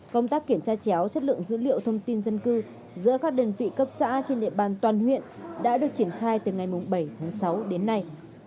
công tác kiểm tra chéo chất lượng dữ liệu thông tin dân cư giữa các đơn vị cấp xã trên địa bàn toàn huyện đã được triển khai từ ngày bảy tháng sáu đến nay